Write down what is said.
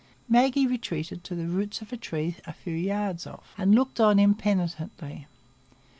Maggie retreated to the roots of a tree a few yards off, and looked on impenitently.